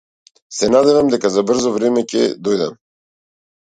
Се надевам дека за брзо време ќе дојдам.